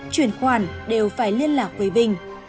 chuyển khoản đều phải liên lạc với vinh